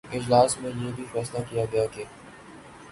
اجلاس میں یہ بھی فیصلہ کیا گیا کہ